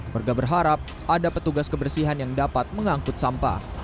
warga berharap ada petugas kebersihan yang dapat mengangkut sampah